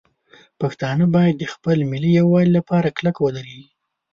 پښتانه باید د خپل ملي یووالي لپاره کلک ودرېږي.